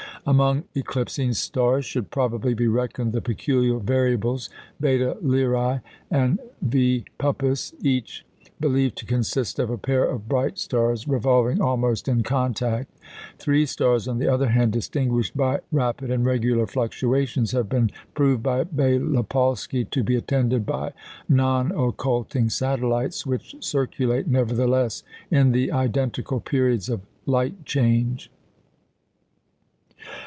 Among eclipsing stars should probably be reckoned the peculiar variables, Beta Lyræ and V Puppis, each believed to consist of a pair of bright stars revolving almost in contact. Three stars, on the other hand, distinguished by rapid and regular fluctuations, have been proved by Bélopolsky to be attended by non occulting satellites, which circulate, nevertheless, in the identical periods of light change.